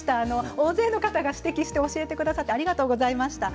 大勢の方が指摘して教えてくださってありがとうございました。